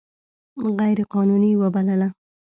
غیر قانوني وبلله.